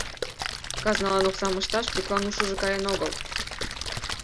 Казналан оксам ышташ Пӧклан ушыжо каен огыл!